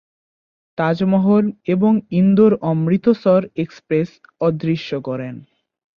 তাজমহল এবং ইন্দোর-অমৃতসর এক্সপ্রেস অদৃশ্য করেন।